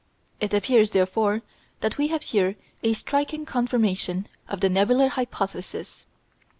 It appears, therefore, that we have here a striking confirmation of the nebular hypothesis.